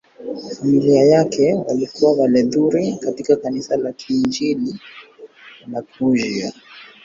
Familia yake walikuwa Walutheri katika Kanisa la Kiinjili la Prussia.